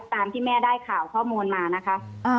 ตามที่แม่ได้ข่าวข้อมูลมานะคะ